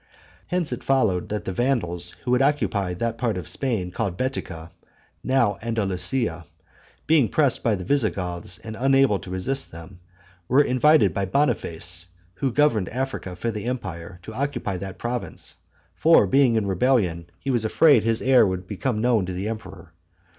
Hence it followed, that the Vandals, who had occupied that part of Spain called Betica (now Andalusia), being pressed by the Visigoths, and unable to resist them, were invited by Boniface, who governed Africa for the empire, to occupy that province; for, being in rebellion, he was afraid his error would become known to the emperor.